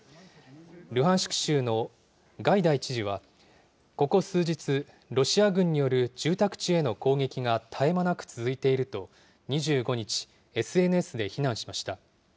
ルハンシク州のガイダイ知事は、この数日、ロシア軍による住宅地への攻撃が絶え間なく続いていると、２５日、ＳＮＳで非難しました。